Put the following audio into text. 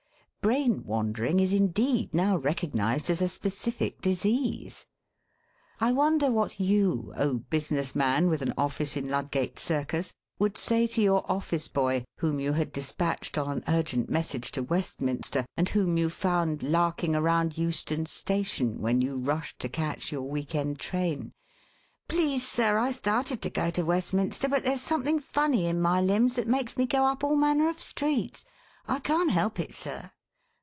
Brain wandering is indeed now recognised as a specific disease. I wonder what you, O business man with an office in Ludgate Circus, would say to your office boy, whom you had dispatched on an urgent message to Westminster, and whom you found larking around Euston Station when you rushed to catch your week end train. 'Please, sir, I started to go to Westminster, but there's something funny in my limbs that makes me go up all manner of streets. I can't help it, sir!'